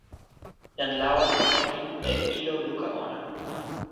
jan lawa li lukin e ilo luka ona.